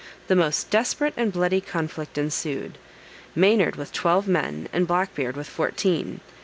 The most desperate and bloody conflict ensued: Maynard with twelve men, and Black Beard with fourteen.